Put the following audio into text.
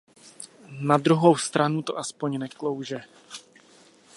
Na druhou stranu to aspoň neklouže.